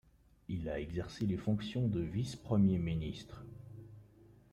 Il a exercé les fonctions de vice-Premier ministre.